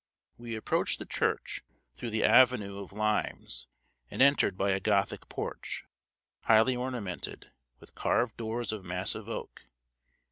We approached the church through the avenue of limes, and entered by a Gothic porch, highly ornamented, with carved doors of massive oak.